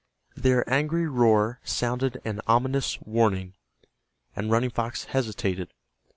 Their angry roar sounded an ominous warning, and Running Fox hesitated.